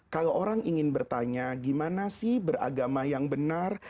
kalau orang ingin bertanya gimana sih beragama yang benar